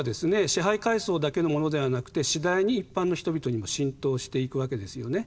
支配階層だけのものではなくて次第に一般の人々にも浸透していくわけですよね。